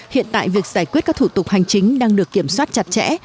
hiện tại việc giải quyết các thủ tục hành chính đang được kiểm soát chặt chẽ